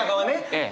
ええ。